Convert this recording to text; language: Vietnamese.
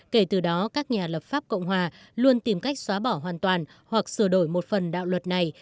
kể từ đó các nhà lập pháp cộng hòa luôn tìm cách xóa bỏ hoàn toàn hoặc sửa đổi một phần đạo luật này